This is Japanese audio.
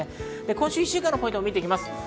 今週１週間のポイントを見てきます。